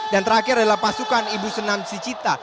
dan terakhir adalah pasukan ibu senam sicita